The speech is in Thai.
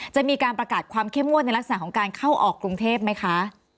จะมีการประกาศความเข้มงวดในลักษณะของการเข้าออกกรุงเทพไหมคะ